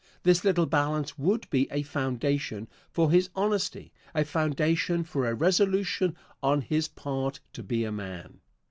This little balance would be a foundation for his honesty a foundation for a resolution on his part to be a man.